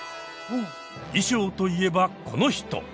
衣装と言えばこの人。